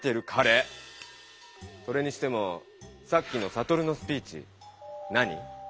それにしてもさっきのサトルのスピーチ何？